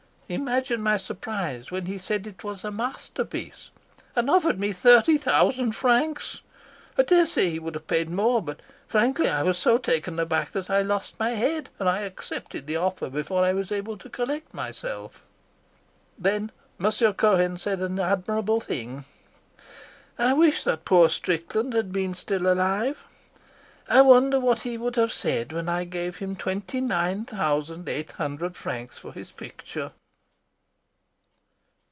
Imagine my surprise when he said it was a masterpiece, and offered me thirty thousand francs. I dare say he would have paid more, but frankly I was so taken aback that I lost my head; I accepted the offer before I was able to collect myself.'" Then Monsieur Cohen said an admirable thing. "I wish that poor Strickland had been still alive. I wonder what he would have said when I gave him twenty nine thousand eight hundred francs for his picture."